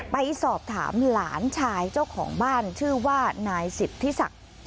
ไปสอบถามหลานชายเจ้าของบ้านชื่อว่านายสิทธิศักดิ์